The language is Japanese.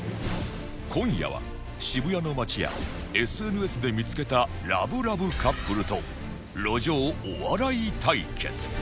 今夜は渋谷の街や ＳＮＳ で見付けたラブラブカップルと路上お笑い対決